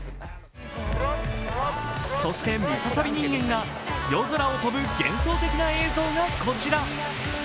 そしてムササビ人間が夜空を飛ぶ幻想的な映像がこちら。